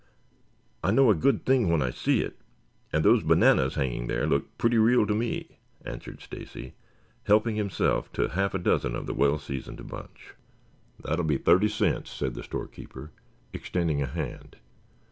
"I know a good thing when I see it, and those bananas hanging there look pretty real to me," answered Stacy, helping himself to half a dozen of the well seasoned bunch. "That'll be thirty cents," said the storekeeper, extending a hand.